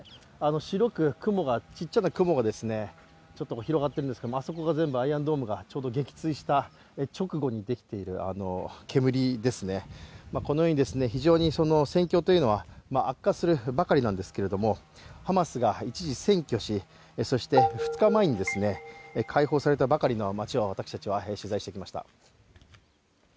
白くちっちゃな雲が広がっているんですけれどもあそこが全部アイアンドームがちょうど撃墜した直後にできている煙ですね、このように非常に戦況というのは悪化するばかりなんですがハマスが一時占拠し、そして２日前に解放されたばかりの街を私たちは取材してきました。